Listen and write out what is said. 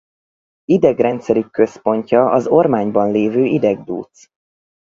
Idegrendszerük központja az ormányban lévő idegdúc.